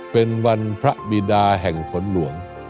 เป็นวันพระบิดาแห่งฝนหลวง